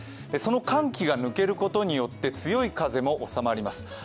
その寒気が抜けることによって強い風も収まります。